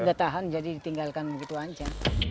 udah tahan jadi ditinggalkan begitu saja